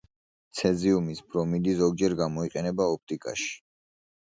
ცეზიუმის ბრომიდი ზოგჯერ გამოიყენება ოპტიკაში.